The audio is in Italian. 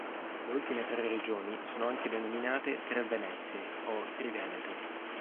Le ultime tre regioni sono anche denominate "Tre Venezie" o "Triveneto".